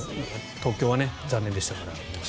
東京は残念でしたから。